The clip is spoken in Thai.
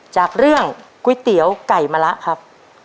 จากเรื่องก๋วยเตี๋ยวไก่มะละครับ